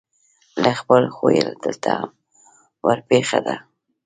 له خپل خویه دلته هم ورپېښه ده.